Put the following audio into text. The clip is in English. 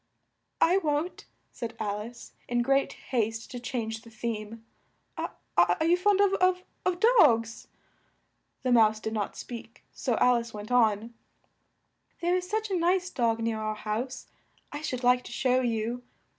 "I won't," said Al ice, in great haste to change the theme. "Are you fond of of dogs?" The mouse did not speak, so Al ice went on: "There is such a nice dog near our house, I should like to show you!